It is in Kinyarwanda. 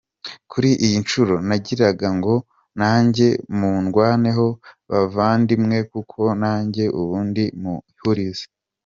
Kuri iyi nshuro nagira ngo nanjye mundwaneho bavandimwe kuko nanjye ubu ndi mu ihurizo”.